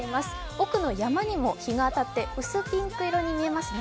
奥の山にも日が当たって薄ピンク色に見えますね。